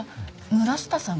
村下さん？